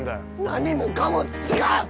何もかも違う！